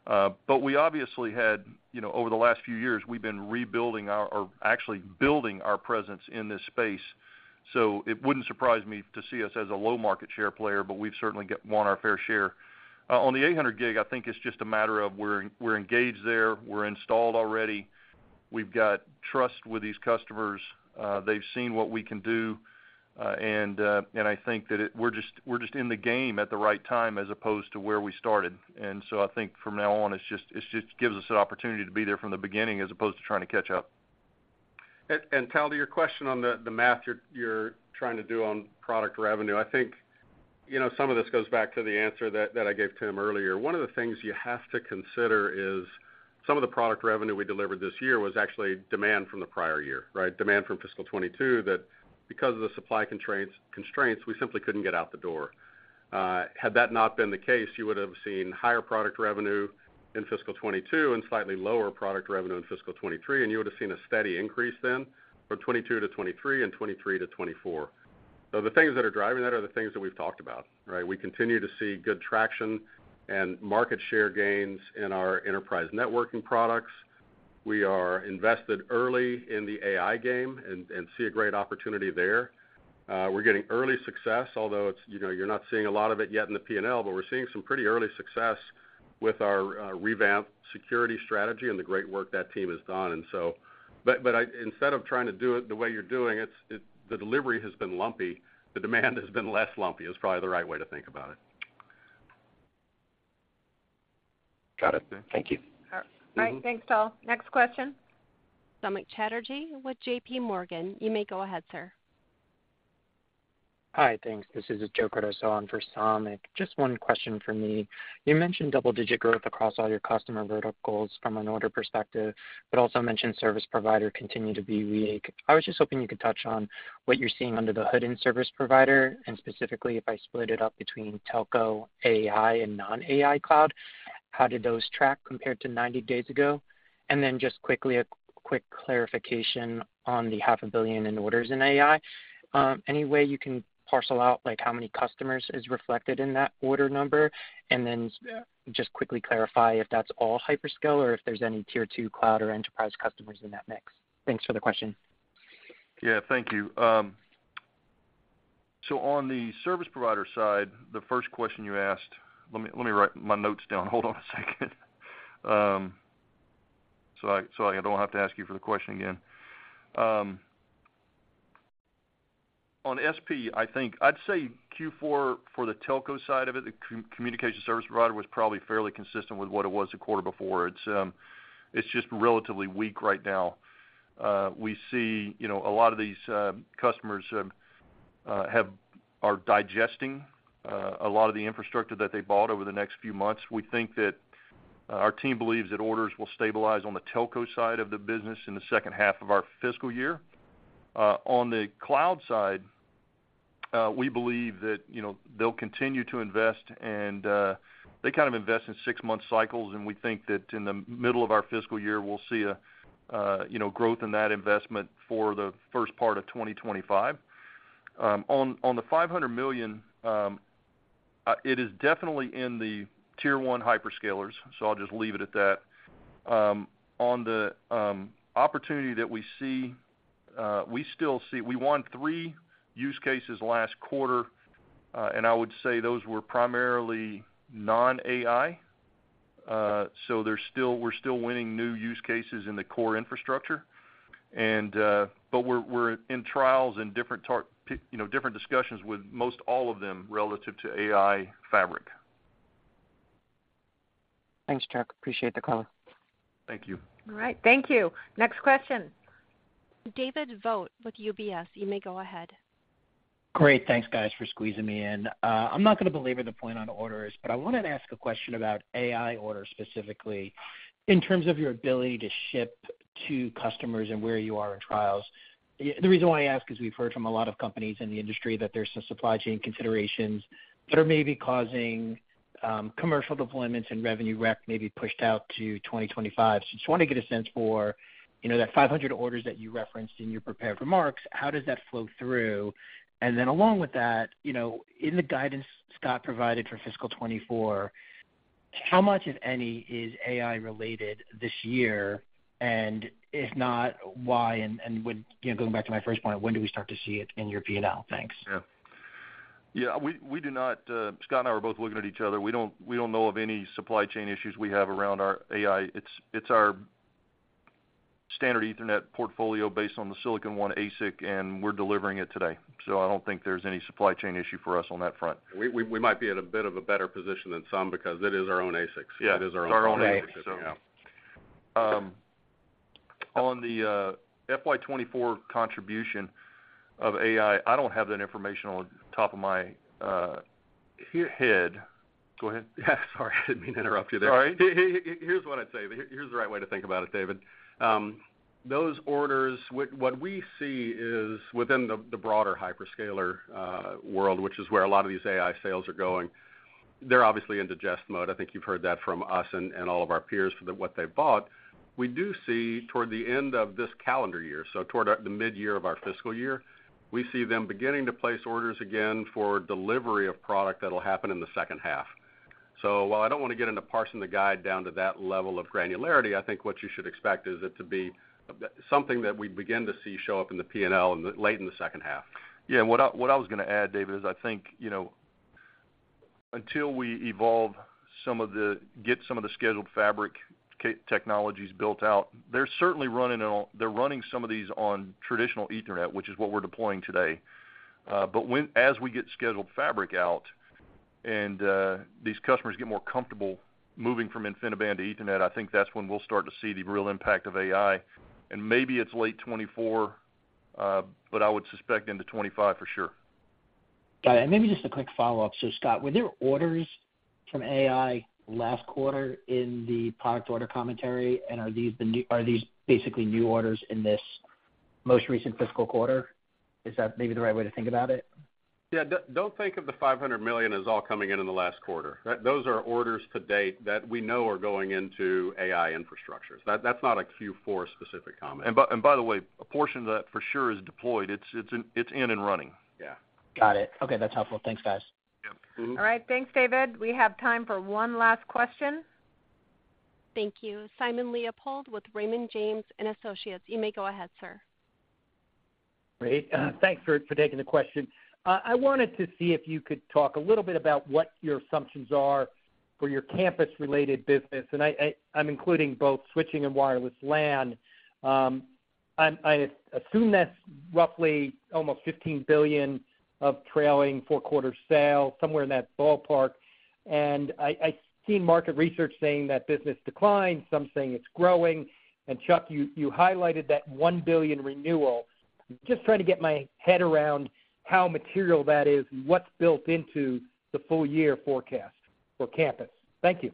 But we obviously had, you know, over the last few years, we've been rebuilding our, or actually building our presence in this space. It wouldn't surprise me to see us as a low market share player, but we've certainly want our fair share. On the 800 gig, I think it's just a matter of we're, we're engaged there, we're installed already. We've got trust with these customers, they've seen what we can do, and, and I think that we're just, we're just in the game at the right time as opposed to where we started. I think from now on, it's just, it's just gives us an opportunity to be there from the beginning as opposed to trying to catch up. Tal, to your question on the math you're trying to do on product revenue, I think, you know, some of this goes back to the answer that I gave Tim earlier. One of the things you have to consider is some of the product revenue we delivered this year was actually demand from the prior year, right? Demand from fiscal 22, that because of the supply constraints, constraints, we simply couldn't get out the door. Had that not been the case, you would have seen higher product revenue in fiscal 22 and slightly lower product revenue in fiscal 23, and you would have seen a steady increase then from 22 to 23 and 23 to 24. The things that are driving that are the things that we've talked about, right? We continue to see good traction and market share gains in our enterprise networking products. We are invested early in the AI game and see a great opportunity there. We're getting early success, although it's, you know, you're not seeing a lot of it yet in the P&L, but we're seeing some pretty early success with our revamped security strategy and the great work that team has done. Instead of trying to do it the way you're doing, the delivery has been lumpy. The demand has been less lumpy, is probably the right way to think about it. Got it. Thank you. All right. Thanks, Tal. Next question. Samik Chatterjee with JPMorgan. You may go ahead, sir. Hi, thanks. This is Joseph Cardoso on for Samik. Just one question for me. You mentioned double-digit growth across all your customer verticals from an order perspective, but also mentioned service provider continue to be weak. I was just hoping you could touch on what you're seeing under the hood in service provider, specifically, if I split it up between telco, AI, and non-AI cloud, how did those track compared to 90 days ago? Then just quickly, a quick clarification on the $500 million in orders in AI. Any way you can parcel out, like, how many customers is reflected in that order number? Then just quickly clarify if that's all hyperscale or if there's any tier 2 cloud or enterprise customers in that mix. Thanks for the question. Yeah, thank you. On the service provider side, the first question you asked, let me, let me write my notes down. Hold on a second. I don't have to ask you for the question again. On SP, I think I'd say Q4 for the telco side of it, the communication service provider, was probably fairly consistent with what it was the quarter before. It's, it's just relatively weak right now. We see, you know, a lot of these customers are digesting a lot of the infrastructure that they bought over the next few months. We think that our team believes that orders will stabilize on the telco side of the business in the second half of our fiscal year. On the cloud side, we believe that, you know, they'll continue to invest and they kind of invest in 6-month cycles, and we think that in the middle of our fiscal year, we'll see a, you know, growth in that investment for the first part of 2025. On, on the $500 million, it is definitely in the tier one hyperscalers, so I'll just leave it at that. On the opportunity that we see, we still see-- we won 3 use cases last quarter, and I would say those were primarily non-AI. There's still-- we're still winning new use cases in the core infrastructure, and we're, we're in trials in different, you know, different discussions with most all of them relative to AI fabric. Thanks, Chuck. Appreciate the call. Thank you. All right, thank you. Next question. David Vogt with UBS, you may go ahead. Great. Thanks, guys, for squeezing me in. I'm not gonna belabor the point on orders, but I wanted to ask a question about AI orders, specifically in terms of your ability to ship to customers and where you are in trials. The reason why I ask is we've heard from a lot of companies in the industry that there's some supply chain considerations that are maybe causing commercial deployments and revenue ramp maybe pushed out to 2025. Just wanna get a sense for, you know, that 500 orders that you referenced in your prepared remarks, how does that flow through? Then along with that, you know, in the guidance Scott provided for fiscal 2024, how much, if any, is AI-related this year? If not, why? when, you know, going back to my first point, when do we start to see it in your P&L? Thanks. Yeah. Yeah, we, we do not. Scott and I were both looking at each other. We don't, we don't know of any supply chain issues we have around our AI. It's, it's our standard Ethernet portfolio based on the Silicon One ASIC, and we're delivering it today. I don't think there's any supply chain issue for us on that front. We might be in a bit of a better position than some because it is our own ASIC. Yeah. It is our own ASIC. It's our own, yeah. On the FY 2024 contribution of AI, I don't have that information on top of my head. Go ahead. Sorry, I didn't mean to interrupt you there. Sorry. Here's what I'd say. Here's the right way to think about it, David. Those orders, what we see is within the broader hyperscaler world, which is where a lot of these AI sales are going, they're obviously in digest mode. I think you've heard that from us and all of our peers what they've bought. We do see toward the end of this calendar year, so toward the midyear of our fiscal year, we see them beginning to place orders again for delivery of product that'll happen in the second half. While I don't wanna get into parsing the guide down to that level of granularity, I think what you should expect is it to be something that we begin to see show up in the P&L late in the second half. Yeah, what I, what I was gonna add, David, is I think, you know, until we evolve some of the Scheduled Fabric technologies built out, they're certainly running on. They're running some of these on traditional Ethernet, which is what we're deploying today. As we get Scheduled Fabric out and these customers get more comfortable moving from InfiniBand to Ethernet, I think that's when we'll start to see the real impact of AI. Maybe it's late 2024, but I would suspect into 2025 for sure. Got it. Maybe just a quick follow-up. Scott, were there orders from AI last quarter in the product order commentary? Are these basically new orders in this most recent fiscal quarter? Is that maybe the right way to think about it? Yeah, don't think of the $500 million as all coming in in the last quarter. Those are orders to date that we know are going into AI infrastructures. That, that's not a Q4 specific comment. By the way, a portion of that, for sure, is deployed. It's in and running. Yeah. Got it. Okay, that's helpful. Thanks, guys. Yep. All right. Thanks, David. We have time for one last question. Thank you. Simon Leopold with Raymond James & Associates. You may go ahead, sir. Great. thanks for, for taking the question. I wanted to see if you could talk a little bit about what your assumptions are for your campus-related business, and I, I, I'm including both switching and wireless LAN. I assume that's roughly almost $15 billion of trailing four-quarter sales, somewhere in that ballpark. I, I've seen market research saying that business declined, some saying it's growing. Chuck, you, you highlighted that $1 billion renewal. Just trying to get my head around how material that is and what's built into the full year forecast for campus. Thank you.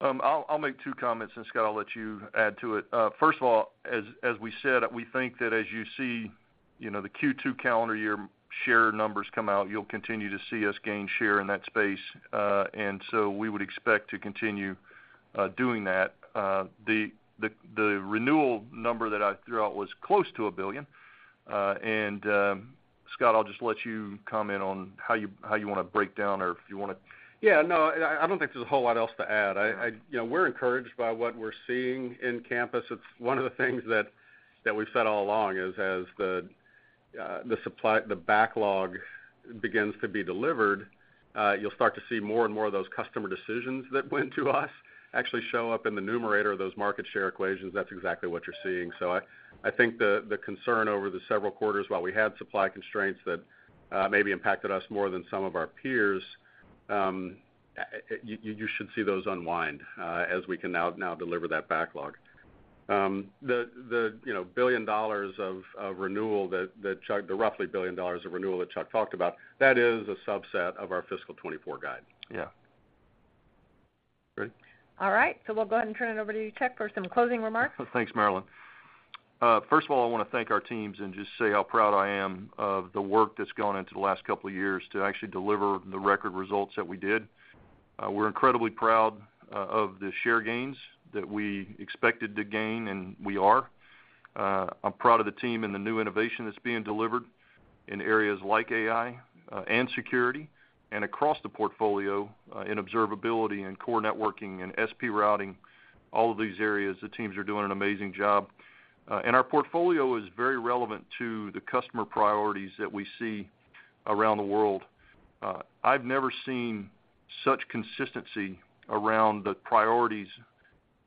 I'll, I'll make 2 comments, and Scott, I'll let you add to it. First of all, as, as we said, we think that as you see, you know, the Q2 calendar year share numbers come out, you'll continue to see us gain share in that space. We would expect to continue doing that. The, the, the renewal number that I threw out was close to $1 billion. Scott, I'll just let you comment on how you, how you wanna break down, or if you wanna- Yeah, no, I, I don't think there's a whole lot else to add. Right. You know, we're encouraged by what we're seeing in campus. It's one of the things that, that we've said all along is, as the supply, the backlog begins to be delivered, you'll start to see more and more of those customer decisions that went to us actually show up in the numerator of those market share equations. That's exactly what you're seeing. I think the concern over the several quarters while we had supply constraints that maybe impacted us more than some of our peers, you should see those unwind as we can now, now deliver that backlog. The, the, you know, $1 billion of, of renewal that Chuck, the roughly $1 billion of renewal that Chuck talked about, that is a subset of our fiscal 2024 guide. Yeah. Great. All right, we'll go ahead and turn it over to you, Chuck, for some closing remarks. Thanks, Marilyn. First of all, I wanna thank our teams and just say how proud I am of the work that's gone into the last couple of years to actually deliver the record results that we did. We're incredibly proud of the share gains that we expected to gain, and we are. I'm proud of the team and the new innovation that's being delivered in areas like AI and security, and across the portfolio, in observability and core networking and SP routing, all of these areas, the teams are doing an amazing job. Our portfolio is very relevant to the customer priorities that we see around the world. I've never seen such consistency around the priorities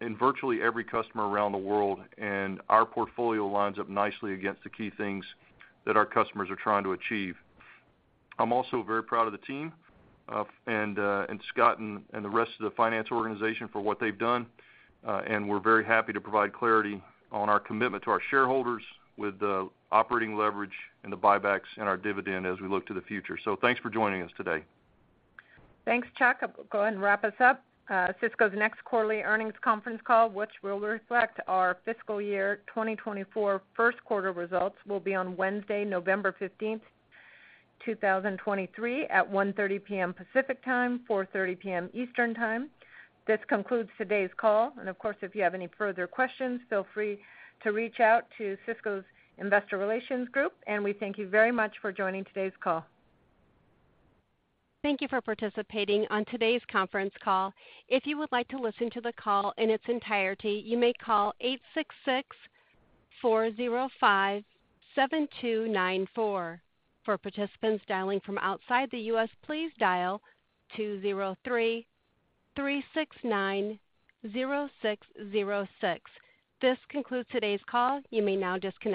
in virtually every customer around the world, and our portfolio lines up nicely against the key things that our customers are trying to achieve. I'm also very proud of the team, and Scott and the rest of the finance organization for what they've done, and we're very happy to provide clarity on our commitment to our shareholders with the operating leverage and the buybacks and our dividend as we look to the future. Thanks for joining us today. Thanks, Chuck. I'll go ahead and wrap us up. Cisco's next quarterly earnings conference call, which will reflect our fiscal year 2024 Q1 results, will be on Wednesday, November 15th, 2023, at 1:30 P.M. Pacific Time, 4:30 P.M. Eastern Time. This concludes today's call. Of course, if you have any further questions, feel free to reach out to Cisco's Investor Relations group, and we thank you very much for joining today's call. Thank you for participating on today's conference call. If you would like to listen to the call in its entirety, you may call 866-405-7294. For participants dialing from outside the U.S., please dial 203-369-0606. This concludes today's call. You may now disconnect.